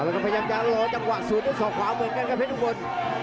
แล้วก็พยายามจะรอจังหวะสวนด้วยศอกขวาเหมือนกันครับเพชรทุกคน